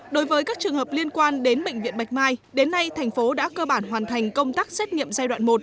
đối với các trường hợp liên quan đến bệnh viện bạch mai đến nay thành phố đã cơ bản hoàn thành công tác xét nghiệm giai đoạn một